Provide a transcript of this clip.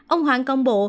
ông hoàng công bộ